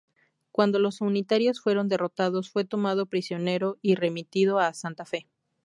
Cuando los unitarios fueron derrotados, fue tomado prisionero y remitido a Santa Fe.